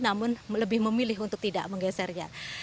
namun lebih memilih untuk tidak menggesernya